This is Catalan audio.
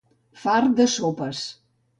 Fart de sopes.